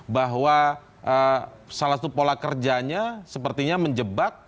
bahwa salah satu pola kerjanya sepertinya menjebak